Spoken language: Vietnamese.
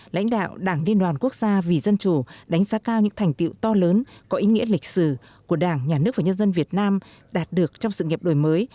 lãnh đạo đảng liên đoàn quốc gia vì dân chủ đánh giá cao những thành tiệu to lớn có ý nghĩa lịch sử của đảng nhà nước và nhân dân việt nam đạt được trong sự nghiệp đổi mới